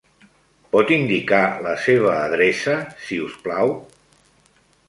Pot indicar la seva adreça, si us plau?